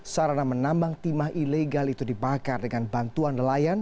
sarana menambang timah ilegal itu dibakar dengan bantuan nelayan